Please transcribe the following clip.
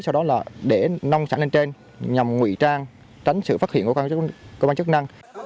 sau đó là để nông sản lên trên nhằm ngụy trang tránh sự phát hiện của công an chức năng